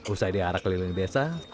usai diarak keliling desa